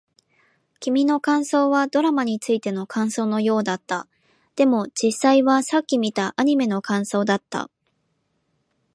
君の感想はドラマについての感想のようだった。でも、実際はさっき見たアニメの感想だった。